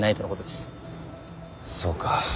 そうか。